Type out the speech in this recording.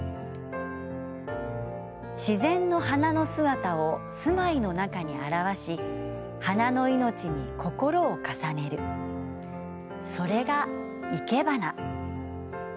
自然の花の姿を住まいの中に表し花の命に心を重ねるそれが、いけばな。